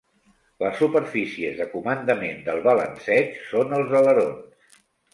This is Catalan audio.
Les superfícies de comandament del balanceig són els alerons.